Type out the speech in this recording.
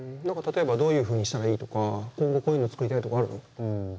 何か例えばどういうふうにしたらいいとか今後こういうの作りたいとかあるの？